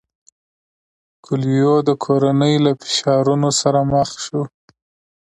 کویلیو د کورنۍ له فشارونو سره مخ شو.